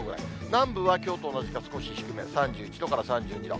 南部はきょうと同じか少し低め、３１度から３２度。